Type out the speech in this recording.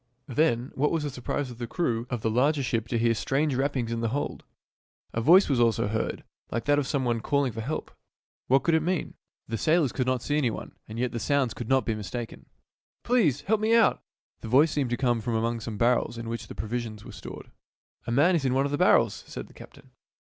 Then, what was the surprise of the crew of the larger ship to hear strange rappings in the hold! A voice also was heard, like that of some one calling for help. What could it mean? The sailors could not see any one, and yet the sounds could not be mistaken. " Please help me out !" The voice seemed to come from among some barrels in which pro visions were stored. " A man is in one of the barrels," said the captain.